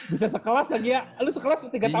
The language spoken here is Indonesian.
bisa sekelas lagi ya lu sekelas tiga tahun